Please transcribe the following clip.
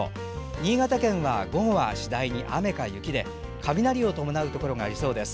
新潟県は午後は次第に雨か雪で雷を伴うところがありそうです。